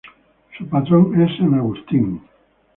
Su patrón es San Agustín.